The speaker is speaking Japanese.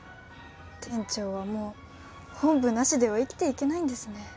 店長はもう本部なしでは生きていけないんですね。